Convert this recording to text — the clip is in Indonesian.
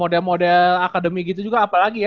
model model akademi gitu juga apalagi ya